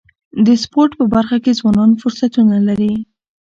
د سپورټ په برخه کي ځوانان فرصتونه لري.